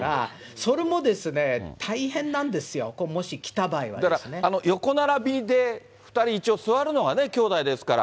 それもですね、大変なんですよ、だから、横並びで２人、一応座るのが兄弟ですから。